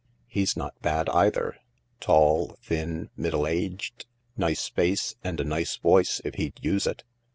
He b not bad either — tall, thin, middle aged. Nice face, and a nice voice if he'd use it.